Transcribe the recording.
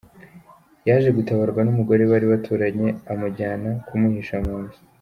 Yaje gutabarwa n’umugore bari baturanye amujyana kumuhisha mu nzu.